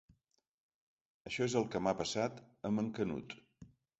Això és el que m'ha passat amb en Canut.